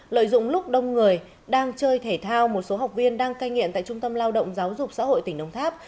lợi dụng lúc đông người đang chơi thể thao một số học viên đang cai nghiện tại trung tâm lao động giáo dục xã hội tỉnh đồng tháp